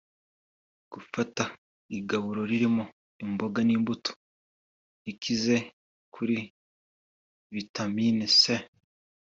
Gufata igaburo ririmo imboga n’imbuto (rikize kuri Vitamine C